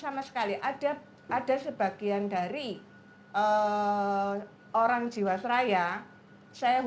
sama seperti ketiga orang berkata ada banyak yang bergantung seperti ini pada pukul empat belas minggu jika kita masuk ke agrepo dua kita akan meninjau